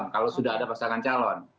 kalau sudah ada pasangan calon